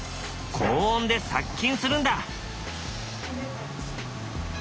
高温で殺菌するんだ。